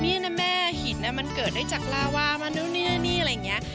นี่นะแม่หินมันเกิดได้จากลาวามานู่นนี่นี่อะไรอย่างนี้